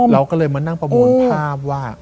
เราก็เลยมานั่งประมวลภาพว่า